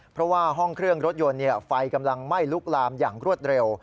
เพราะว่าห้องเครื่องรถยนต์ไฟกำลังไหม้ลุกลามอย่างรวดเร็ว